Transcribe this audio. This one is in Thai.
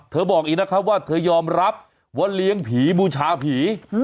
บอกอีกนะครับว่าเธอยอมรับว่าเลี้ยงผีบูชาผี